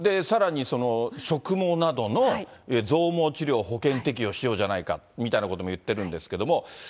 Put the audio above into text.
さらに植毛などの増毛治療、保険適用しようじゃないかみたいなことも言ってるんですけれども。